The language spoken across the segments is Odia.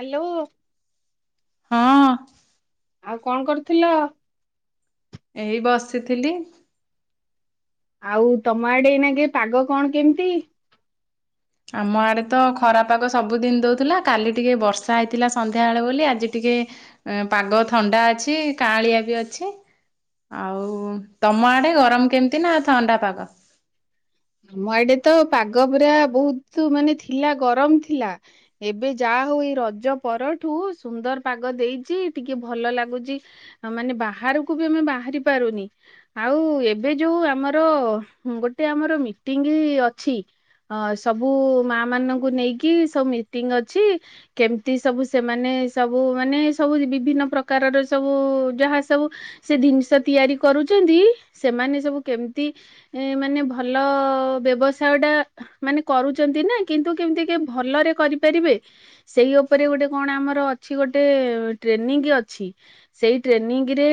ହାଲୋ ହଁ ଆଉ କଣ କରୁଥିଲ? ଏଇ ବସିଥିଲି। ଆଉ ତମଆଡେ ଏଇନା କେ ପାଗ କଣ କେମତି? ଆମ ଆଡେ ତ ଖରା ପାଗ ସବୁଦିନ ଦେଉଥିଲା କାଲି ଟିକେ ବର୍ଷା ହେଇଥିଲା ସନ୍ଧ୍ୟାବେଳେ ବୋଲି ଆଜି ଟିକେ ପାଗ ଥଣ୍ଡା ଅଛି କାଆଁଳିଆ ବି ଅଛି। ଆଉ ତମ ଆଡେ ଗରମ କେମତି ନା ଥଣ୍ଡା ପାଗ ଆମ ଆଡେ ତ ପାଗ ପୁରା ବୋହୁତୁ ମାନେ ଥିଲା ଗରମ ଥିଲା ଏବେ ଯାହାହେଉ ଏଇ ରଜ ପରଠୁ ସୁନ୍ଦର ପାଗ ଦେଇଚି ଟିକେ ଭଲ ଲାଗୁଚି। ମାନେ ବାହାରୁକୁ ବି ଆମେ ବାହାରିପାରୁନି। ଆଉ ଏବେ ଯୋଉ ଆମର ଗୋଟେ ଆମର ମିଟିଙ୍ଗି ଅଛି ଅ ସବୁ ମା ମାନଙ୍କୁ ନେଇକି ସବୁ ମିଟିଙ୍ଗ ଅଛି କେମତି ସବୁ ସେମାନେ ସବୁ ମାନେ ସବୁ ବିଭିନ୍ନ ପ୍ରକାରର ସବୁ ଯାହାସବୁ ସେ ଜିନିଷ ତିଆରି କରୁଚନ୍ତି। ସେମାନେ ସବୁ କେମତି ମାନେ ଭଲ ଅ ବ୍ୟବସାୟଟା ମାନେ କରୁଚନ୍ତି ନା କିନ୍ତୁ କେମତି କିଏ ଭଲରେ କରିପାରିବେ ସେଇ ଓପରେ ଗୋଟେ କଣ ଆମର ଅଛି ଗୋଟେ ଟ୍ରେନିଂ ଅଛି। ସେଇ ଟ୍ରେନିଙ୍ଗରେ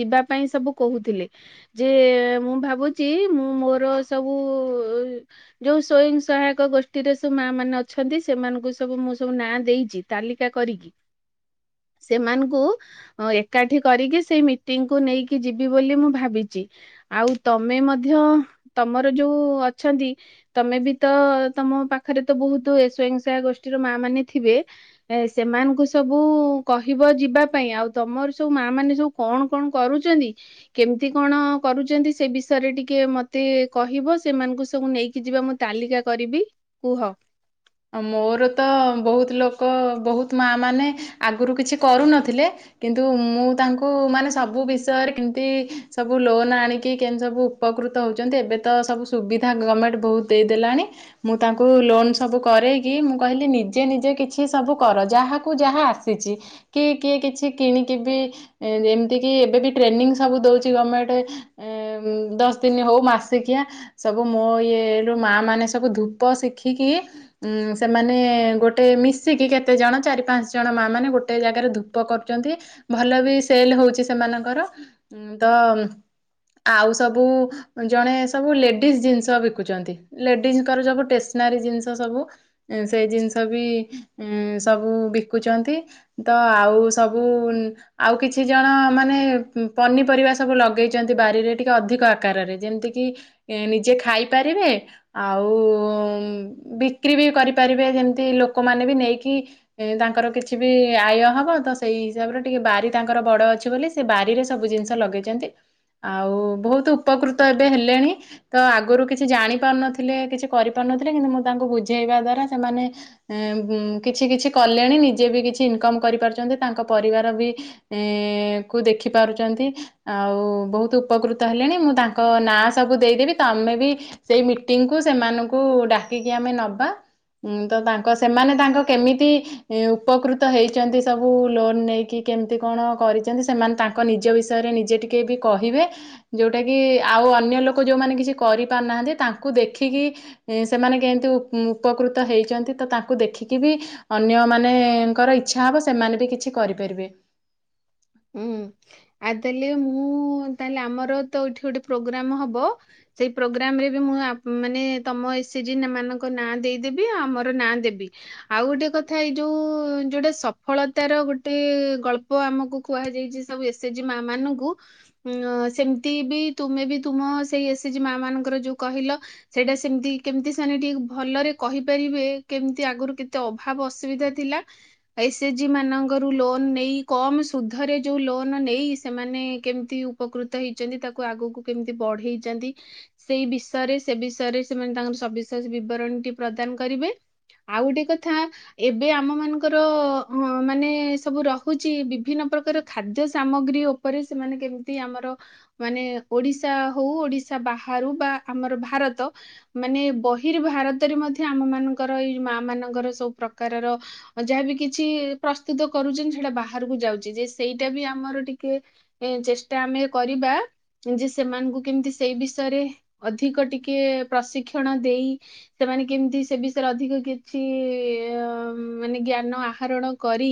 ଯିବା ପାଇଁ ସବୁ କହୁଥିଲେ ଯେ ମୁଁ ଭାବୁଚି ମୁଁ ମୋର ସବୁ ଯୋଉ ସ୍ଵୟଂସହାୟକ ଗୋଷ୍ଠୀରେ ସବୁ ମା ମାନେ ଅଛନ୍ତି। ସେମାନଙ୍କୁ ସବୁ ମୁଁ ସବୁ ନାଁ ଦେଇଚି ତାଲିକା କରିକି। ସେମାନଙ୍କୁ ଅଁ ଏକାଠି କରିକି ସେଇ ମିଟିଂକୁ ନେଇକି ଯିବି ବୋଲି ମୁଁ ଭାବିଚି। ଆଉ ତମେ ମଧ୍ୟ ତମର ଯୋଉ ଅଛନ୍ତି ତମେ ବି ତ ତମ ପାଖରେ ତ ବହୁତୁ ଏ ସ୍ଵୟଂସହା ଗୋଷ୍ଠୀର ମା ମାନେ ଥିବେ। ଏ ସେମାନଙ୍କୁ ସବୁ କହିବ ଯିବାପାଇଁ ଆଉ ତମର ସବୁ ମା ମାନେ ସବୁ କଣ କଣ କରୁଚନ୍ତି? କେମିତି କଣ କରୁଚନ୍ତି? ସେ ବିଷୟରେ ଟିକେ ମତ ତେ କହିବ ସେମାନଙ୍କୁ ସବୁ ନେଇକି ଯିବା ମୁଁ ତାଲିକା କରିବି କୁହ ମୋର ତ ବହୁତ ଲୋକ ବହୁତ ମା ମାନେ ଆଗୁରୁ କିଛି କରୁନଥିଲେ କିନ୍ତୁ ମୁଁ ତାଙ୍କୁ ମାନେ ସବୁ ବିଷୟରେ କେମତି ସବୁ ଲୋନ ଆଣିକି କେନ୍ତି ସବୁ ଉପକୃତ ହଉଚନ୍ତି ଏବେ ତ ସବୁ ସୁବିଧା ଗମେଣ୍ଟ ବହୁତ ଦେଇଦଲାଣି ମୁଁ ତାଙ୍କୁ ଲୋନ ସବୁ କରେଇକି ମୁଁ କହିଲି ନିଜେ ନିଜେ କିଛି ସବୁ କର ଯାହାକୁ ଯାହା ଆସିଚି କିଏ କିଏ କିଛି କିଣିକି ବି ଏମତି କି ଏବେ ବି ଟ୍ରେନିଂ ସବୁ ଦଉଛି ଗମେଣ୍ଟ ଏଁ ଦଶ ଦିନ ହଉ ମାସିକିଆ ସବୁ ମୋ ଇଏରୁ ମା ମାନେ ସବୁ ଧୂପ ଶିଖିକି ଉଁ ସେମାନେ ଗୋଟେ ମିଶିକି କେତେଜଣ ଚାରି ପାଞ୍ଚଜଣ ମାମାନେ ଗୋଟେ ଜାଗାରେ ଧୁ ପ କରୁଚନ୍ତି ଭଲ ବି ସେଲ୍ ହଉଚି ସେମାନଙ୍କର ତ ଆଉ ସବୁ ଜଣେ ସବୁ ଲେଡିସ୍ ଜିନିଷ ବିକୁଚନ୍ତି ଲେଡିସଙ୍କର ସବୁ ଟେସନାରୀ ଜିନି ସବୁ ସେଇ ଜିନିଷ ବି ସବୁ ବିକୁଛନ୍ତି ତ ଆଉ ସବୁ ଆଉ କିଛି ଜଣ ମାନେ ପନିପରିବା ସବୁ ଲଗେଇଛନ୍ତି ବାରିରେ ଟିକେ ଅଧିକ ଆକାରରେ ଯେମିତି କିି ନିଜେ ଖାଇପାରିବେ ଆଉ ବିକ୍ରି ବି କରିପାରିବେ ଯେମିତି ଲୋକମାନେ ବି ନେଇକି ଏ ତାଙ୍କର କିଛି ବି ଆୟ ହବ ତ ସେଇ ହିସାବରେ ଟିକେ ବାରି ତାଙ୍କର ବଡ ଅଛି ବୋଲି ସେ ବାରିରେ ସବୁ ଜିନିଷ ଲଗେଇଛନ୍ତି ଆଉ ବହୁତ ଉପକୃତ ଏବେ ହେଲେଣି ତ ଆଗରୁ କିଛି ଜାଣି ପାରୁନଥିଲେ କିଛି କରିପାରୁନଥିଲେ କିନ୍ତୁ ମୁଁ ତାଙ୍କୁ ବୁଝେଇବା ଦ୍ଵାରା ସେମାନେ ଏଁ କିଛି କିଛି କଲେଣି ନିଜେ ବି କିଛି ଇନକମ କରିପାରୁଛନ୍ତି ତାଙ୍କ ପରିବାର ବି ଏ କୁ ଦେଖି ପାରୁଛନ୍ତି ଆଉ ବହୁତ ଉପକୃତ ହେଲେଣି ମୁଁ ତାଙ୍କ ନାଁ ସବୁ ଦେଇଦେବି ତମେ ବି ସେଇ ମିଟିଙ୍ଗ କୁ ସେମାନଙ୍କୁ ଡାକିକି ଆମେ ନବା ହୁଁ ତ ତାଙ୍କ ସେମାନେ ତାଙ୍କ କେମିତି ଉପକୃତ ହେଇଛନ୍ତି ସବୁ ଲୋନ ନେଇକି କେମିତି କଣ କରିଛନ୍ତି ସେମାନେ ତାଙ୍କ ତାଙ୍କ ନିଜ ବିଷୟରେ ନିଜେ ଟିକିଏ ବି କହିବେ ଯୋଉଟା କି ଆଉ ଅନ୍ୟ ଲୋକ ଯୋଉମାନେ କିଛି କରିପାରୁନାହାନ୍ତି ତାଙ୍କୁ ଦେଖିକି ସେମାନେ କେମିତି ଉପକୃତ ହେଇଛନ୍ତି ତ ତାଙ୍କୁ ଦେଖିକି ବି ଅନ୍ୟ ମାନଙ୍କର ଇଚ୍ଛା ହବ ସେମାନେ ବି କିଛି କରିପାରିବେ। ହୁଁ ଆଉ ତାହେଲେ ମୁଁ ତାହେଲେ ଆମର ତ ଏଇଠି ଗୋଟେ ପ୍ରୋଗ୍ରାମ ହବ ସେଇ ପ୍ରୋଗ୍ରାମ ରେ ବି ମୁଁ ମାନେ ତମ ଏସଏଜି ମାନଙ୍କ ନାଁ ଦେଇଦେବି ଆଉ ଆମର ନାଁ ଦେବି ଆଉ ଗୋଟେ କଥା ଏଇ ଯୋଉ ଯୋଉଟେ ସଫଳତାର ଗୋଟେ ଗଳ୍ପ ଆମକୁ କୁହାଯାଇଛି ସବୁ ଏସଏଚଜି ମା ମାନଙ୍କୁ ଉ ସେମିତି ବି ତୁମେ ବି ତୁମ ସେଇ ଏସଏଜି ମା ମାନଙ୍କର ଯୋଉ କହିଲ ସେଇଟା ସେମିତି କେମିତି ସେମାନେ ଟିକେ ଭଲରେ କହିପାରିବେ କେମିତି ଆଗରୁ କେତେ ଅଭାବ ଅସୁବିଧା ଥିଲା ଏସଏଚଜି ମାନ ଲୋନ ନେଇ ସୁଧରେ ଯେଉଁ ଲୋନ ନେଇ ସେମାନେ କେମିତି ଉପକୃତ ହେଇଛନ୍ତି ତାକୁ ଆଗକୁ କେମିତି ବଢ଼େଇଛନ୍ତି ସେଇ ବିଷୟରେ ସେ ବିଷୟରେ ସେମାନେ ତାଙ୍କର ସବିଶେଷ ବିବରଣୀଟି ପ୍ରଦାନ କରିବେ ଆଉ ଗୋଟେ କଥା ଏବେ ଆମ ମାନଙ୍କର ଅ ମାନେ ସବୁ ରହୁଛି ବିଭିନ୍ନ ପ୍ରକାର ଖାଦ୍ୟ ସାମଗ୍ରୀ ଉପରେ ସେମାନେ କେମିତି ଆମର ମାନେ ଓଡିଶା ହଉ ଓଡିଶା ବାହାରୁ ବା ଆମର ଭାରତ ମାନେ ବହିର୍ ଭାରତରେ ମଧ୍ୟ ଆମ ମାନଙ୍କର ଏଇ ମା ମାନଙ୍କର ସବୁ ପ୍ରକାରର ଯାହାବି କିଛି ପ୍ରସ୍ତୁତ କରୁଛନ୍ତି ସେଇଟା ବାହାରକୁ ଯାଉଛି ଯେ ସେଇଟା ବି ଆମର ଟିକେ ଏ ଚେଷ୍ଟା ଆମେ କରିବା ଯେ ସେମାନଙ୍କୁ କେମିତି ସେଇ ବିଷୟରେ ଅଧିକ ଟିକେ ପ୍ରଶିକ୍ଷଣ ଦେଇ ସେମାନେ କେମିତି ସେ ବିଷୟରେ ଅଧିକ କିଛି ମାନେ ଜ୍ଞାନ ଆହରଣ କରି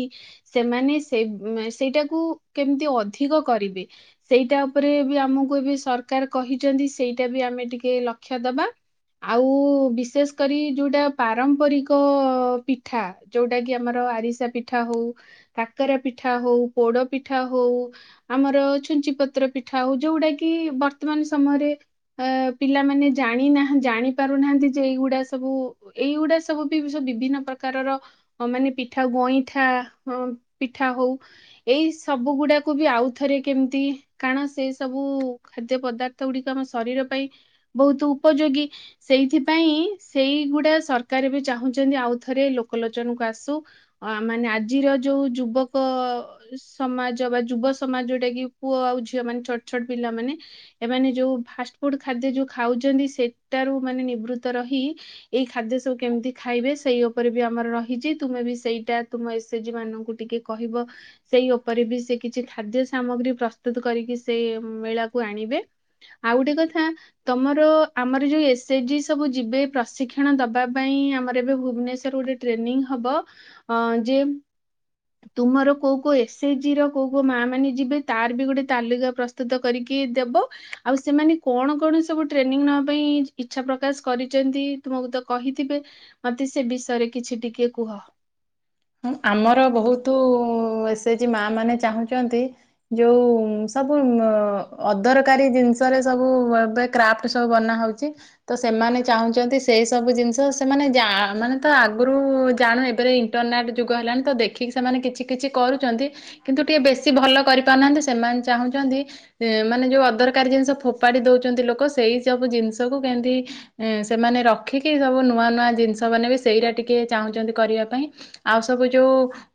ସେମାନେ ସେ ସେଇଟାକୁ କେମିତି ଅଧିକ କରିବେ ସେଇଟା ଉପରେ ବି ଆମକୁ ଏବେ ସରକାର କହିଛନ୍ତି ସେଇଟା ବି ଆମେ ଟିକେ ଲକ୍ଷ୍ୟ ଦବା ଆଉ ବିଶେଷ କରି ଯୋଉଟା ପାରମ୍ପରିକ ପିଠା ଯୋଉଟା କି ଆମର ଆରିସା ପିଠା ହଉ କାକରା ପିଠା ହଉ ପୋଡ ପିଠା ହଉ ଆମର ଛୁଞ୍ଚି ପତ୍ର ପିଠା ହଉ ଯୋଉଟା କି ବର୍ତ୍ତମାନ ସମୟରେ ପିଲାମାନେ ଜାଣିନାହାଁନ୍ତି ଜାଣି ପାରୁନାହାନ୍ତି ଯେ ଏଇଗୁଡା ସବୁ ଏଇଗୁଡା ସବୁ ବି ସବୁ ବିଭିନ୍ନ ପ୍ରକାରର ମାନେ ପିଠା ଗଇଁଠା ମିଠା ହଉ ଏଇ ସବୁ ଗୁଡାକୁ ବି ଆଉ ଥରେ କେମିତି କାରଣ ସେ ସବୁ ଖାଦ୍ୟ ପଦାର୍ଥ ଗୁଡିକ ଆମ ଶରୀର ପାଇଁ ବହୁତ ଉପଯୋଗୀ ସେଇଥିପାଇଁ ସେଇଗୁଡା ସରକାର ବି ଚାହୁଁଛନ୍ତି ଆଉ ଥରେ ଲୋକଲୋଚନକୁ ଆସୁ ଅ ମାନେ ଆଜିର ଯୋଉ ଯୁବକ ସମାଜ ବା ଯୁବ ସମାଜ ଯୋଉଟା କି ପୁଅ ଆଉ ଝିଅ ମାନେ ଛୋଟ ଛୋଟ ପିଲାମାନେ ଏମାନେ ଯେଉଁ ଫାଷ୍ଟଫୁଡ଼୍ ଖାଦ୍ୟ ଯେଉଁ ଖାଉଛନ୍ତି ସେଠାରୁ ମାନେ ନିବୃତ୍ତ ରହି ଏଇ ଖାଦ୍ୟ ସବୁ କେମିତି ଖାଇବେ ସେଇ ଉପରେ ବି ଆମର ରହିଛି ତୁମେ ବି ସେଇଟା ତୁମ ଏସ ଏଚଜି ମାନଙ୍କୁ ଟିକେ କହିବ ସେଇ ଉପରେ ବି ସେ କିଛି ଖାଦ୍ୟ ସାମଗ୍ରୀ ପ୍ରସ୍ତୁତୁ କରିକି ସେ ମେଳାକୁ ଆଣିବେ। ଆଉ ଗୋଟେ କଥା। ତମର ଆମର ଯୋଇ ଏସଏଚଜିି ସବୁ ଯିବେ ପ୍ରଶିକ୍ଷଣ ଦବା ପାଇଁ ଆମର ଏବେ ଭୁବନେଶ୍ଵର ଗୋଟେ ଟ୍ରେନିଂ ହବ ଅ ଜେମ୍ ତୁମର କୋଉ କୋଉ ଏସଏସ ଜି ର କୋଉ କୋଉ ମା ମାନେ ଯିବେ ତାର ବି ଗୋଟେ ତାଲିକା ପ୍ରସ୍ତୁତ କରିକି ଦେବ। ଆଉ ସେମାନେ କଣ କଣ ସବୁ ଟ୍ରେନିଂ ନବା ପାଇଁ ଇଚ୍ଛା ପ୍ରକାଶ କରିଛନ୍ତି ତୁମକୁ ତ କହିଥିବେ। ମୋତେ ସେ ବିଷୟରେ କିଛି ଟିକେ କୁହ। ଉଁ ଆମର ବହୁତ ଏସେଜି ମା ମାନେ ଚାହୁଁଚନ୍ତି ଯୋଉଁ ସବୁ ଉଁ ଅଦରକାରୀ ଜିନିଷରେ ସବୁ ଏବେ କ୍ରାଫ୍ଟ ସବୁ ବନା ହଉଚି। ତ ସେମାନେ ଚାହୁଁଛନ୍ତି ସେଇ ସବୁ ଜିନିଷ ସେମାନେ ଯା ମାନେ ତ ଆଗରୁ ଜାଣୁ ଏବେ ରେ ଇଣ୍ଟରନେଟ୍ ଯୁଗ ହେଲାଣି ତ ଦେଖିକି ସେମାନେ କିଛି କିଛି କରୁଚନ୍ତି। କିନ୍ତୁ ଟିକେ ବେଶୀ ଭଲ କରିପାରୁନାହାନ୍ତି ସେମାନେ ଚାହୁଁଚନ୍ତି ଏ ମାନେ ଯୋଉ ଅଦରକାରୀ ଜିନିଷ ଫୋପାଡି ଦଉଚନ୍ତି ଲୋକ ସେଇ ସବୁ ଜିନିଷକୁ କେମନ୍ତି ଏଁ ସେମାନେ ରଖିକି ସବୁ ନୂଆ ନୂଆ ଜିନିଷ ମାନେ ବି ସେଇଟା ଟିକେ ଚାହୁଁଚନ୍ତି କରିବା ପାଇଁ। ଆଉ ସବୁ ଯୋଉ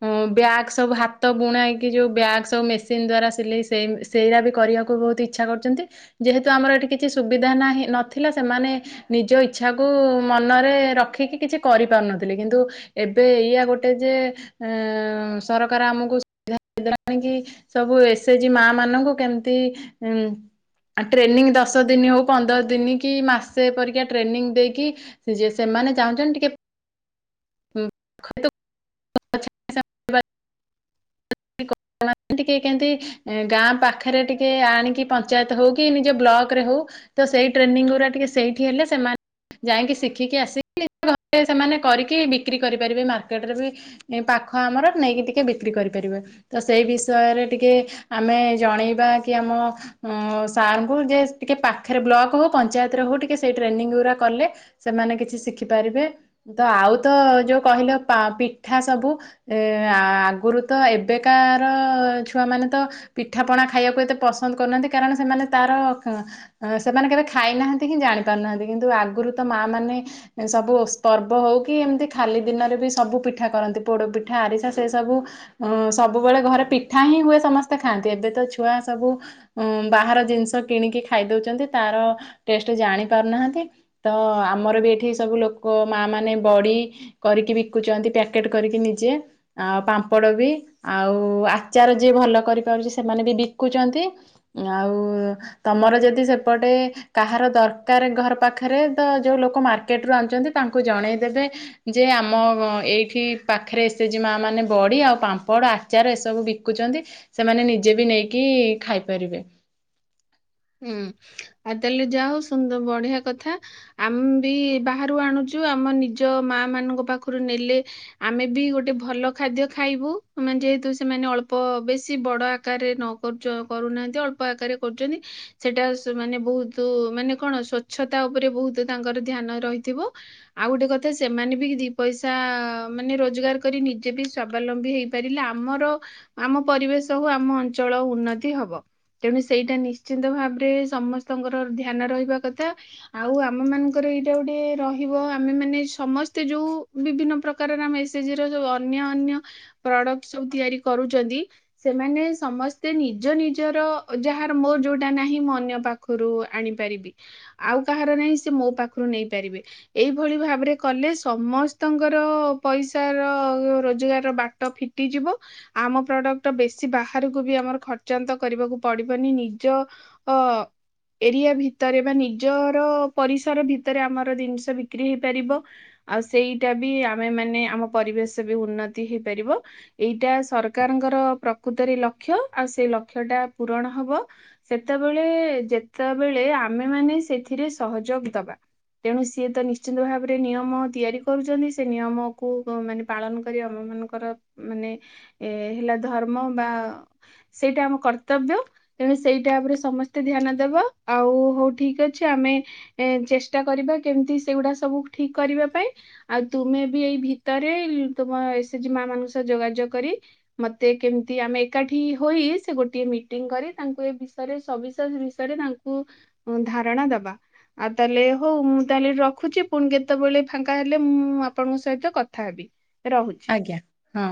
ଉଁ ବ୍ୟାଗ୍ ସବୁ ହାତ ବୁଣା ଏଇକି ଯୋଉ ବ୍ୟାଗ୍ ସବୁ ମେସିନ ଦ୍ଵାରା ସିଲେଇ ସେଇ ସେଇଆ ବି କରିବାକୁ ବହୁତ ଇଚ୍ଛା କରୁଛନ୍ତି ଯେହେତୁ ଆମର ଏଠି କିଛି ସୁବିଧା ନାହିଁ ନଥିଲା ସେମାନେ ନିଜ ଇଚ୍ଛାକୁ ମନରେ ରଖିକି କିଛି କରିପାରୁନଥିଲି କିନ୍ତୁ ଏ ଏବେ ଏଇଆ ଗୋଟେ ଯେ ଏଁ ସରକାର ଆମକୁ ସୁବିଧା ଦେଇଦେଲାଣି କି ସବୁ ଏସେଜି ମା ମାନଙ୍କୁ କେମତି ଉଁ ଟ୍ରେନିଂ ଦଶ ଦିନି ହେଉ ପନ୍ଦର ଦିନି କି ମାସେ ପରିକା ଟ୍ରେନିଂ ଦେଇକି ସେ ଯେ ସେମାନେ ଚାହୁଁଚନ୍ତି ଟିକେ [unintelligible] [unintelligible] ଟିକେ କେମତି। ଏଁ ଗାଁ ପାଖରେ ଟିକେ ଆଣିକି ପଞ୍ଚାୟତ ହଉ କି ନିଜ ବ୍ଲକ ରେ ହଉ ତ ସେଇ ଟ୍ରେନିଂ ଗୁରା ଟିକେ ସେଇଠି ହେଲେ ସେମାନେ ଯାଇକି ଶିଖିକି ଆସିକି ଘରେ ସେମାନେ କରିକି ବିକ୍ରି କରିପାରିବେ ମାର୍କେଟରେ ବି। ଏ ପାଖ ଆମର ନେଇକି ଟିକେ ବିକ୍ରି କରିପାରିବେ। ତ ସେଇ ବିଷୟରେ ଟିକେ ଆମେ ଜଣେଇବା କି ଆମ ଉଁ ସାର୍ ଙ୍କୁ ଯେ ଟିକେ ପାଖରେ ବ୍ଲକ ହଉ ପଞ୍ଚାୟତରେ ହଉ ଟିକେ ସେଇ ଟ୍ରେନିଂ ଗୁରା କଲେ ସେମାନେ କିଛି ଶିଖିପାରିବେ। ତ ଆଉ ତ ଯୋଉ କହିଲ ପା ପିଠା ସବୁ ଏ ଆଁ ଆ ଅଗୁରୁ ତ ଏବେକାର ଛୁଆମାନେ ତ ପିଠା ପଣା ଖାଇବାକୁ ଏତେ ପସନ୍ଦ କରୁନାହାନ୍ତି କାରଣ ସେମାନେ ତାର କ ଅ ସେମାନେ କେବେ ଖାଇନାହାନ୍ତି କିିଁ ଜାଣି ପାରୁନାହାନ୍ତି କିନ୍ତୁ ଆଗରୁ ତ ମା ମାନେ ସବୁ ପର୍ବ ହଉ କି ଏମିତି ଖାଲି ଦିନରେ ବି ସବୁ ପିଠା କରନ୍ତି ପୋଡ ପିଠା ଆରିସା ସେ ସବୁ। ଉଁ ସବୁବେଳେ ଘରେ ପିଠା ହିଁ ହୁଏ ସମସ୍ତେ ଖାଆନ୍ତି ଏବେ ତ ଛୁଆ ସବୁ ଉଁ ବାହାର ଜିନିଷ କିଣିକି ଖାଇ ଦଉଛନ୍ତି ତାର ଟେଷ୍ଟ ଜାଣି ପାରୁନାହାନ୍ତି। ତ ଆମର ବି ଏଠି ସବୁ ଲୋକ ମା ମାନେ ବଡି କରିକି ବିକୁଛନ୍ତି ପ୍ୟାକେଟ କରିକି ନିଜେ ଆ ପାମ ପଡ ବି ଆଉ ଆଚାର ଯିଏ ଭଲ କରିପାରୁଛି ସେମାନେ ବି ବିକୁଚନ୍ତି। ଆଉ ତମର ଯଦି ସେପଟେ କାହାର ଦରକାରେ ଘର ପାଖରେ ତ ଯୋଉ ଲୋକ ମାର୍କେଟରୁୁ ଆଣୁଚନ୍ତି ତାଙ୍କୁ ଜଣେଇଦେବେ। ଯେ ଆମ ଏଇଠି ପାଖରେ ଏସେଜି ମା ମାନେ ବଡ଼ି ଆଉ ପାମ୍ପଡ଼ ଆଚାର ଏସବୁ ବିକୁଛନ୍ତି ସେମାନେ ନିଜେ ବି ନେଇକି ଖାଇପାରିବେ। ହୁଁ ଆଉ ତାହେଲେ ଯାହଉ ସୁନ୍ଦ ବଢିଆ କଥା। ଆମେ ବି ବାହାରୁ ଆଣୁଛୁ ଆମ ନିଜ ମା ମାନଙ୍କ ପାଖରୁ ନେଲେ ଆମେ ବି ଗୋଟେ ଭଲ ଖାଦ୍ୟ ଖାଇବୁ ମାନେ ଯେହେତୁ ସେମାନେ ଅଳ୍ପ ବେଶୀ ବଡ ଆକାରରେ ନ କରୁଚ କରୁନାହାନ୍ତି ଅଳ୍ପ ଆକାରରେ କରୁଚନ୍ତି। ସେଟା ମାନେ ବହୁତ ମାନେ କଣ ସ୍ଵଚ୍ଛତା ଉପରେ ବହୁତ ତାଙ୍କର ଧ୍ୟାନ ରହିଥିବ। ଆଉ ଗୋଟେ କଥା ସେମାନେ ବି ଦି ପଇସା ମାନେ ରୋଜଗାର କରି ନିଜେ ବି ସ୍ଵାବଲମ୍ବୀ ହେଇ ପାରିଲେ ଆମର ଆମ ପରିବେଶ ହଉ ଆମ ଅଞ୍ଚଳ ଉନ୍ନତି ହବ। ତେଣୁ ସେଇଟା ନି ଶ୍ଚିନ୍ତ ଭାବରେ ସମସ୍ତଙ୍କର ଧ୍ୟାନ ରହିବା କଥା ଆଉ ଆମ ମାନଙ୍କର ଏଇଟା ଗୋଟେ ରହିବ ଆମେ ମାନେ ସମସ୍ତେ ଯୋଉ ବିଭିନ୍ନ ପ୍ର କାର ମେସେଜର ଅନ୍ୟ ଅନ୍ୟ ପ୍ରଡକ୍ଟ ସବୁ ତିଆରି କରୁଛନ୍ତି ସେମାନେ ସମସ୍ତେ ନିଜ ନିଜର ଯାହାର ମୋ ଯୋଉଟା ନାହିଁ ମୁଁ ଅନ୍ୟ ପାଖରୁ ଆଣିପାରିବି ଆଉ କାହାର ନାହିଁ ସେ ମୋ ପାଖରୁ ନେଇପାରିବେ। ଏଇଭଳି ଭାବରେ କଲେ ସମସ୍ତଙ୍କର ପଇସାର ରୋଜଗାର ବାଟ ଫି ଟିଯିବ ଆମ ପ୍ରଡକ୍ଟ ବେଶୀ ବାହାରକୁ ବି ଆମର ଖର୍ଚ୍ଚାନ୍ତ କରିବାକୁ ପଡିବନି ନି ଯ ଅ ଏରିଆ ଭିତରେ ବା ନିଜର ପରିସର ଭିତରେ ଆମର ଜିନିଷ ବିକ୍ରି ହେଇପାରିବ। ଆଉ ସେଇଟା ବି ଆମେ ମାନେ ଆମ ପରିବେଶ ବି ଉନ୍ନତି ହେଇପାରିବ। ଏଇଟା ସରକାରଙ୍କର ପ୍ରକୃତରେ ଲକ୍ଷ୍ୟ ଆଉ ସେ ଲକ୍ଷ୍ୟ ଟା ପୂରଣ ହବ। ସେତେବେଳେ ଯେତେବେଳେ ଆମେମାନେ ସେଥିରେ ସହଯୋଗ ଦବା। ତେଣୁ ସିଏ ତ ନିଶ୍ଚିନ୍ତ ଭାବରେ ନିୟମ ତିଆରି କରୁଛନ୍ତି ସେ ନିୟମକୁ ମାନେ ପାଳନ କରି ଆମ ମାନଙ୍କର ମାନେ ଏ ହେଲା ଧର୍ମ ବା ସେଇଟା ଆମ କର୍ତ୍ତବ୍ୟ। ତେଣୁ ସେଇଟା ଉପରେ ସମସ୍ତେ ଧ୍ୟାନ ଦବା ଆଉ ହଉ ଠିକ୍ ଅଛି ଆମେ ଏ ଚେଷ୍ଟା କରିବା କେମିତି ସେଗୁଡା ସବୁ ଠିକ କରିବା ପାଇଁ ଆଉ ତୁମେ ବି ଏଇ ଭିତରେ ତମ ଏସେଜି ମା ମାନଙ୍କ ସହ ଯୋଗାଯୋଗ କରି ମତେ କେମିତି ଆମେ ଏକାଠି ହୋଇ ସେ ଗୋଟିଏ ମିଟିଂ କରି ତାଙ୍କ କୁ ଏ ବିଷୟରେ ସବିଶେଷ ବିଷୟରେ ତାଙ୍କୁ ଧାରଣା ଦବା। ଆଉ ତାହେଲେ ହଉ ମୁଁ ତାହେଲେ ରଖୁଛି ପୁଣି କେତେବେଳେ ଫାଙ୍କା ହେଲେ ମୁଁ ଆପଣଙ୍କ ସହିତ କଥା ହେବି। ରହୁଲ। ଆଜ୍ଞା ହଁ।